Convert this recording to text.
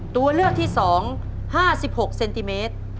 ตัวเลือกที่๒๕๖เซนติเมตร